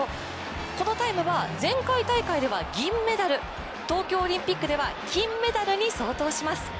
このタイムは前回大会では銀メダル、東京オリンピックでは金メダルに相当します。